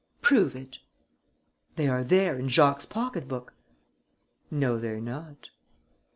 "Prove it." "They are there, in Jacques' pocket book." "No, they're not."